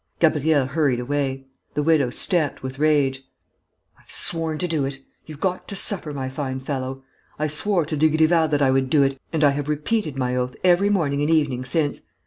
Gabriel hurried away. The widow stamped with rage: "I've sworn to do it!... You've got to suffer, my fine fellow!... I swore to Dugrival that I would do it and I have repeated my oath every morning and evening since....